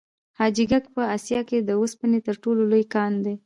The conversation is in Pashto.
حاجي ګک په اسیا کې د وسپنې تر ټولو لوی کان دی.